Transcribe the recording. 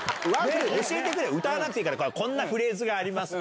教えて、歌わなくていいから、こんなフレーズがありますとか。